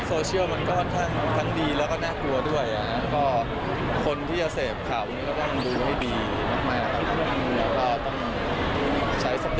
โซเชียลมันก็ค่อนข้างทั้งดีแล้วก็หนักกลัวด้วย